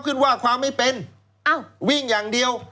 ว่าความไม่เป็นอ้าววิ่งอย่างเดียว